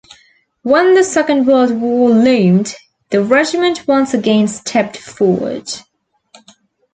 When the Second World War loomed, the regiment once again stepped forward.